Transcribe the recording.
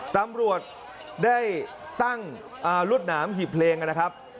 ตำรวจได้ตั้งรวดหนามหีบเพลงนะครับ